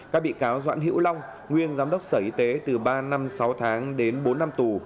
các bị cáo doãn hữu long nguyên giám đốc sở y tế từ ba năm sáu tháng đến bốn năm tù